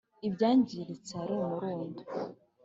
ibyangiritse ari umurundo